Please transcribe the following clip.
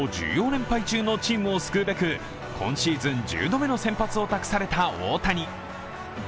連敗中のチームを救うべく今シーズン１０度目の先発を託された大谷。